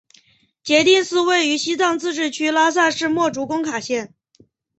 杰定寺位于西藏自治区拉萨市墨竹工卡县。